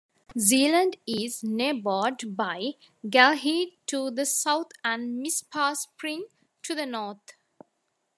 Zealand is neighbored by Galehead to the south and Mizpah Spring to the north.